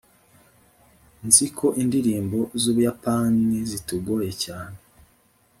nzi ko indirimbo z'ubuyapani zitugoye cyane